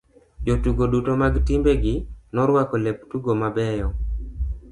Jotugo duto mag timbe gi noruako lep tugo mabeyo.